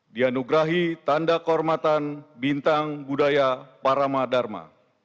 dianugerahi tanda kehormatan bintang budaya paramadharma